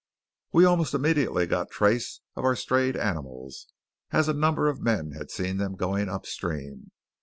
We almost immediately got trace of our strayed animals, as a number of men had seen them going upstream.